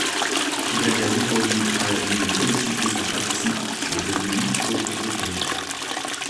Il adhère aujourd'hui à la ligne politique de son parti qui est devenu pro-européen.